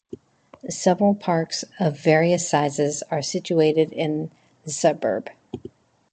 Several parks of various sizes are situated in the suburb.